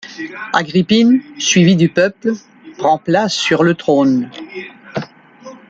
Agrippine, suivie du peuple, prend place sur le trône.